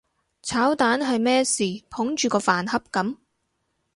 炒蛋係咩事捧住個飯盒噉？